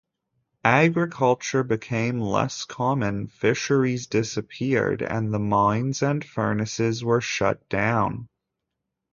Agriculture became less common, fisheries disappeared and the mines and furnaces were shut down.